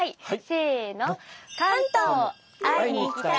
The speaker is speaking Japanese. せの！